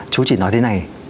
chú chỉ nói thế này